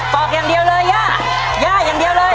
อกอย่างเดียวเลยย่าย่าอย่างเดียวเลย